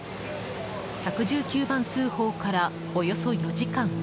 １１９番通報からおよそ４時間。